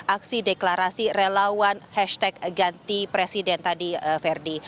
aksi deklarasi relawan hashtag ganti presiden tadi verdi